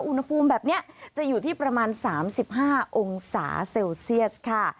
อุณหภูมิแบบนี้จะอยู่ที่ประมาณ๓๕องศาเซลเซียสค่ะ